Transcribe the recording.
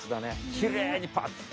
きれいにパッて。